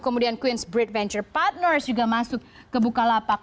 kemudian queens bread venture partners juga masuk ke bukalapak